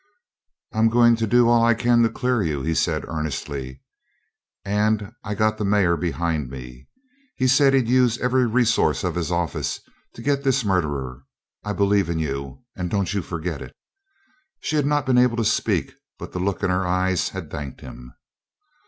"I'm goin' to do all I can to clear you," he said, earnestly, "and I got the mayor behind me. He said he'd use every resource of his office to get this murderer. I believe in you and don't you forget it!" She had not been able to speak, but the look in her eyes had thanked him.